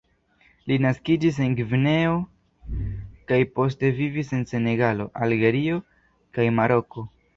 Li naskiĝis en Gvineo kaj poste vivis en Senegalo, Alĝerio kaj Maroko.